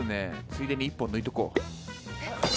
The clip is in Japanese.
ついでに１本抜いとこう。